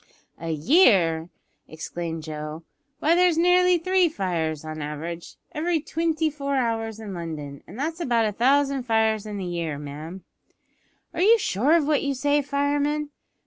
"A year!" exclaimed Joe. "Why, there's nearly three fires, on the average, every twinty four hours in London, an' that's about a thousand fires in the year, ma'am." "Are you sure of what you say, fireman?"